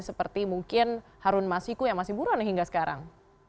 seperti mungkin harun masiku yang masih buron hingga sekarang